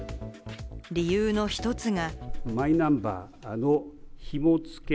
理由の１つが。